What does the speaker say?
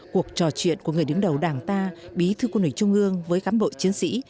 cuộc trò chuyện của người đứng đầu đảng ta bí thư quân ủy trung ương với cán bộ chiến sĩ